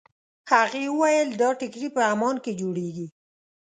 هغې وویل دا ټیکري په عمان کې جوړېږي.